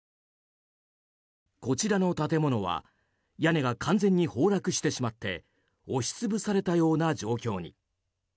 こちらの建物は屋根が完全に崩落してしまって押し潰されたような状況に。